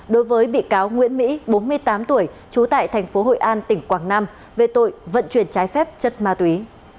đối với bị cáo nguyễn mỹ bốn mươi tám tuổi trú tại thành phố hội an tỉnh quảng nam về tội vận chuyển trái phép chất ma túy